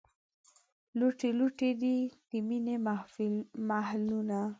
لوټې لوټې دي، د مینې محلونه